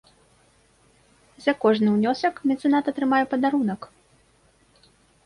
За кожны ўнёсак мецэнат атрымае падарунак.